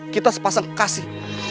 kita sepasang kasih